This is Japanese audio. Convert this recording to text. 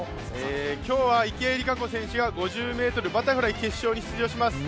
今日は池江璃花子選手が５０ｍバタフライ決勝に出場します。